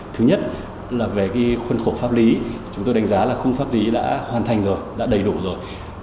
thứ nhất về khuân khổ pháp lý chúng tôi đánh giá là khuôn khổ pháp lý đã hoàn thành rồi đã đầy đủ rồi